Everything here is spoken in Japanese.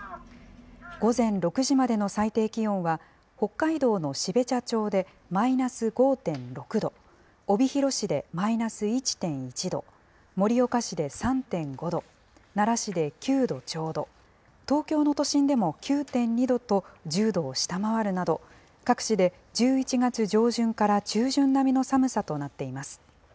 午前６時までの最低気温は北海道の標茶町でマイナス５．６度、帯広市でマイナス１．１度、盛岡市で３．５度、奈良市で９度ちょうど、東京の都心でも９．２度と、１０度を下回るなど、各地で１１月上旬から中旬並みの寒さとなっています。